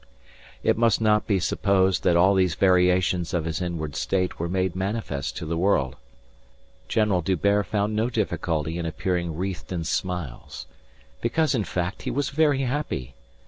It must not be supposed that all these variations of his inward state were made manifest to the world. General D'Hubert found no difficulty in appearing wreathed in smiles: because, in fact, he was very happy.